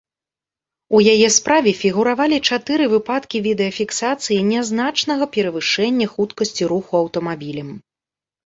У яе справе фігуравалі чатыры выпадкі відэафіксацыі нязначнага перавышэння хуткасці руху аўтамабілем.